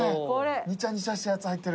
にちゃにちゃしたやつ入ってる。